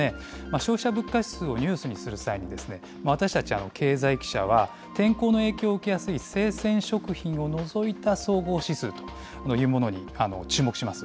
消費者物価指数をニュースにする際に、私たち、経済記者は天候の影響を受けやすい生鮮食品を除いた総合指数というものに注目します。